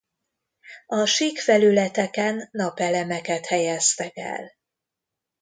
A sík felületeken napelemeket helyeztek el.